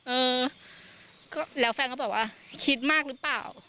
เออก็แล้วแฟนก็บอกว่าคิดมากหรือเปล่า